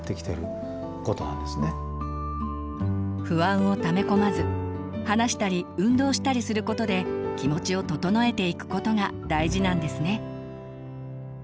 不安をため込まず話したり運動したりすることで気持ちを整えていくことが大事なんですね。